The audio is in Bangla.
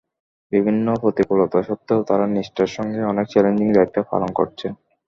বিভিন্ন প্রতিকূলতা সত্ত্বেও তাঁরা নিষ্ঠার সঙ্গে অনেক চ্যালেঞ্জিং দায়িত্ব পালন করছেন।